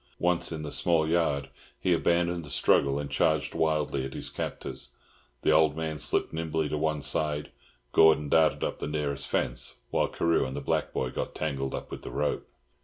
Once in the small yard, he abandoned the struggle, and charged wildly at his captors. The old man slipped nimbly to one side, Gordon darted up the nearest fence, while Carew and the black boy got tangled up with the rope.